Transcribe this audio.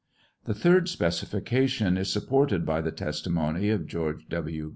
The third specification is supported by the testimony of George W.